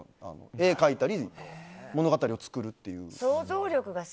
絵を描いたり物語を作るっていう。